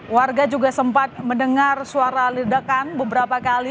warga juga sempat mendengar suara ledakan beberapa kali